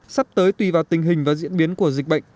sắp tới tùy vào tình hình và diễn biến của dịch bệnh